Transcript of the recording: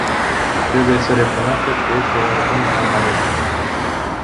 Trebuie să recunoașteți că este oarecum scandalos.